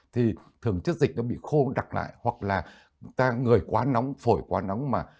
thì thường chất dịch nó bị khô đặc lại hoặc là ta người quá nóng phổi quá nóng mà